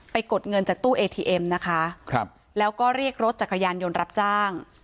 กดเงินจากตู้เอทีเอ็มนะคะครับแล้วก็เรียกรถจักรยานยนต์รับจ้าง